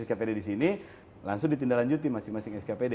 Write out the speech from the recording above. jadi kalau ada skpd skpd di sini langsung ditindaklanjuti masing masing skpd